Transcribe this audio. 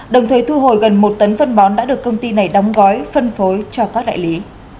đồng thời thu hồi gần một tấn phân bón đã được công ty này đóng gói phân phối cho các đại lý